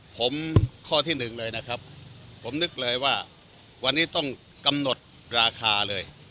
ผมข้อที่หนึ่งเลยนะครับผมนึกเลยว่าวันนี้ต้องกำหนดราคาเลย